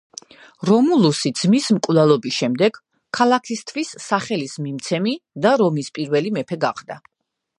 რომულუსი, ძმის მკვლელობის შემდეგ, ქალაქისთვის სახელის მიმცემი და რომის პირველი მეფე გახდა.